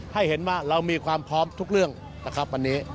ให้เห็นว่าเรามีความพร้อมทุกเรื่องนะครับวันนี้